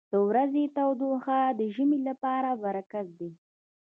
• د ورځې تودوخه د ژمي لپاره برکت دی.